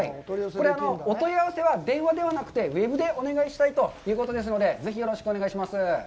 これ、お問い合わせは、電話ではなくてウェブでお願いしたいということですので、ぜひよろしくお願いします。